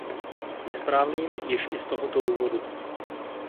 Nesprávným již i z toho důvodu.